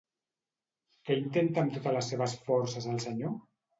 Què intenta amb totes les seves forces el senyor?